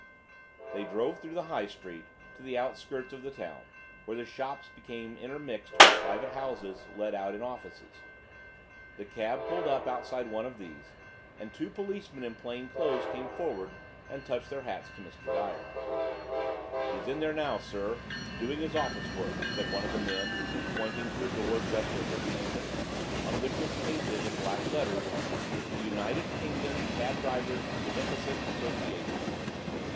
They drove through the High Street to the outskirts of the town, where the shops became intermixed with private houses let out in offices. The cab pulled up outside one of these, and two policemen in plain clothes came forward, and touched their hats to Mr. Dyer. "He's in there now, sir, doing his office work," said one of the men pointing to a door, just within the entrance, on which was printed in black letters, "The United Kingdom Cab drivers' Beneficent Association."